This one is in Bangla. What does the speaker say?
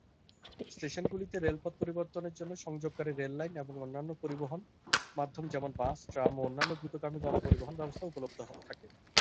স্টেশনগুলিতে রেলপথ পরিবর্তনের জন্য সংযোগকারী রেললাইন বা অন্যান্য পরিবহন মাধ্যম যেমন বাস, ট্রাম বা অন্যান্য দ্রুতগামী গণপরিবহন ব্যবস্থা উপলব্ধ থাকে।